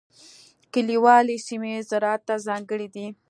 کلیوالي سیمې زراعت ته ځانګړې دي.